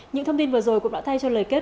những thông tin vừa rồi cũng đã thay cho lời kết